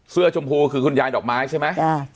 เสื้อชมพูคือคุณยายดอกไม้ใช่ไหม